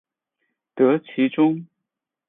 得其中